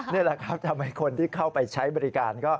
นี่แหละครับทำให้คนที่เข้าไปใช้บริการก็